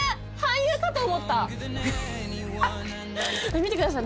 見てください